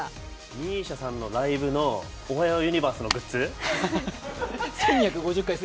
ＭＩＳＩＡさんのライブの「おはようユニバース」のグッズ？